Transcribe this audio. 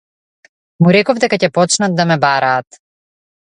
Му реков дека ќе почнат да ме бараат.